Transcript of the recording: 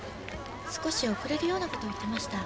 少し遅れるようなことを言ってました。